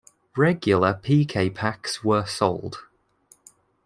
Regular piquet-packs were sold.